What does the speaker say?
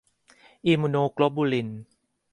อิมมูโนโกลบูลิน